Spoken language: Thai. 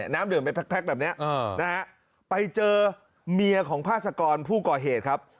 น้ำดื่มไปแพ็คแบบนี้นะฮะไปเจอเมียของพาสกรผู้ก่อเหตุครับ